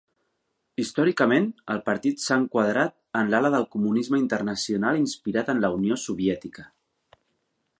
Històricament, el partit s'ha enquadrat en l'ala del comunisme internacional inspirat en la Unió Soviètica.